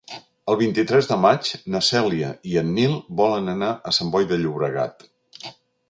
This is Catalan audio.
El vint-i-tres de maig na Cèlia i en Nil volen anar a Sant Boi de Llobregat.